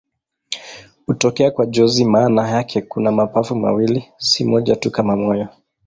Hutokea kwa jozi maana yake kuna mapafu mawili, si moja tu kama moyo.